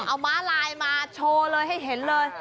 เอาม้าลายมาโชว์เลยให้เห็นเลย